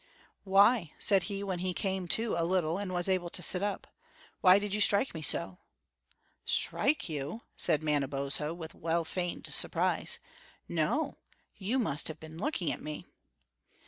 "Why," said he, when he came to a little and was able to sit up, "why did you strike me so?" "Strike you?" said Manabozho, with well feigned surprise. "No; you must have been looking at me."